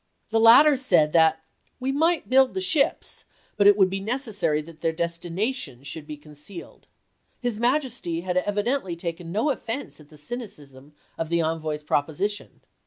The latter said that "we might build the ships, but it would be necessary that their destination should be con cealed." His Majesty had evidently taken no of fense at the cynicism of the envoy's proposition.